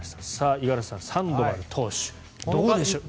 五十嵐さん、サンドバル投手どうでしょう。